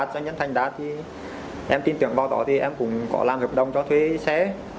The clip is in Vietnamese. doanh nhân thành đạt thì em tin tưởng vào đó thì em cũng có làm hợp đồng cho thuê xe